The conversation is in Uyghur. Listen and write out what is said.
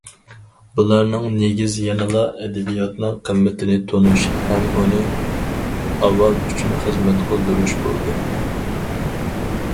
بۇلارنىڭ نېگىزى يەنىلا ئەدەبىياتنىڭ قىممىتىنى تونۇش ھەم ئۇنى ئاۋام ئۈچۈن خىزمەت قىلدۇرۇش بولدى.